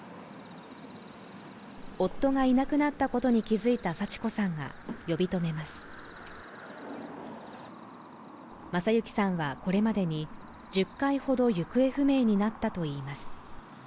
夫がいなくなったことに気づいた佐智子さんが呼び止めます正行さんはこれまでに１０回ほど行方不明になったといいます